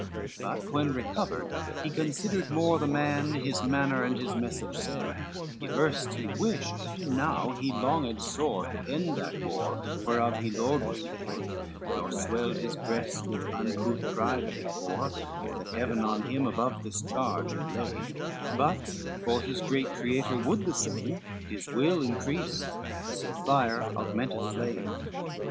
XVIII But when recovered, he considered more, The man, his manner, and his message said; If erst he wished, now he longed sore To end that war, whereof he Lord was made; Nor swelled his breast with uncouth pride therefore, That Heaven on him above this charge had laid, But, for his great Creator would the same, His will increased: so fire augmenteth flame.